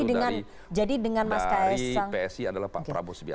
tentu dari psi adalah pak prabowo sebianto